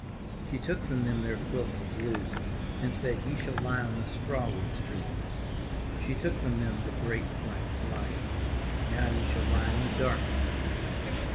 She took from them their quilts of blue. And said, " Ye shall lie on the straw we strew." She took from them the great wax light, " Now ye shall lie in the dark at nig^t."